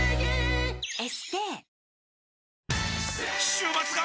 週末が！！